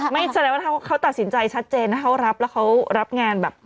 แสดงว่าถ้าเขาตัดสินใจชัดเจนถ้าเขารับแล้วเขารับงานแบบ